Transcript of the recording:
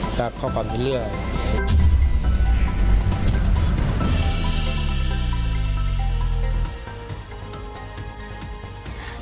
จะเข้าความที่เลือก